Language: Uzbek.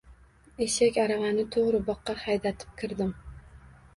Eshak aravani to‘g‘ri boqqa haydatib kirdim.